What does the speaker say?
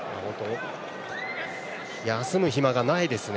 休む暇がないですね